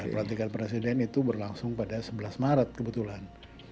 perantikan presiden itu berlangsung pada sebelas maret kebetulan